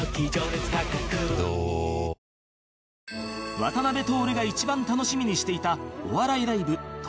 渡辺徹が一番楽しみにしていたお笑いライブ徹